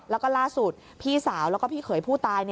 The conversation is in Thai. แล้วก็ล่าสุดพี่สาวแล้วก็พี่เขยผู้ตาย